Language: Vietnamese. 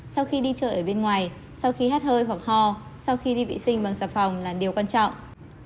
sau khi đi chơi ở bên ngoài sau khi hát hơi hoặc ho sau khi đi vệ sinh bằng xà phòng là điều quan trọng